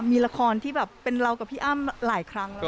มีละครที่แบบเป็นเรากับพี่อ้ำหลายครั้งแล้ว